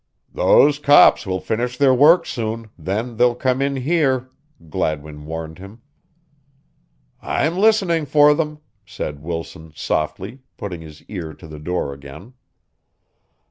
"Those cops will finish their work soon then they'll come in here," Gladwin warned him. "I'm listening for them," said Wilson softly, putting his ear to the door again.